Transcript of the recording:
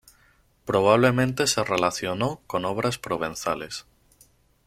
Probablemente se relacionó con obras provenzales.